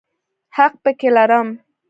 حق پکې لرم.